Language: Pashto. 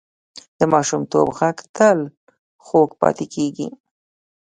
د ماشومتوب غږ تل خوږ پاتې کېږي